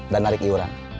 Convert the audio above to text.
dan narik iuran